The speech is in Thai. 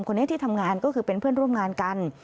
คนนี้ที่ทำงานก็คือเป็นเพื่อนร่วมงานกัน